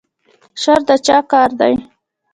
شر د چا کار دی؟